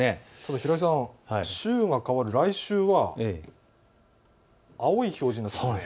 平井さん、来週は青い表示になってきますね。